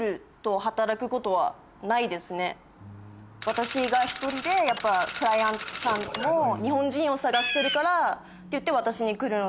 私が１人でクライアントさんも日本人を探してるからって言って私に来るので。